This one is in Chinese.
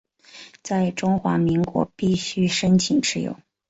在中华民国必须申请持有。